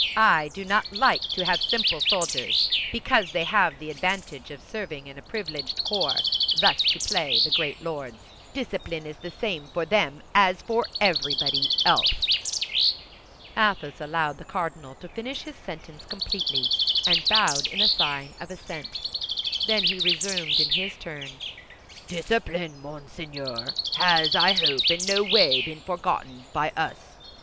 I do not like to have simple soldiers, because they have the advantage of serving in a privileged corps, thus to play the great lords; discipline is the same for them as for everybody else." Athos allowed the cardinal to finish his sentence completely, and bowed in sign of assent. Then he resumed in his turn: "Discipline, Monseigneur, has, I hope, in no way been forgotten by us.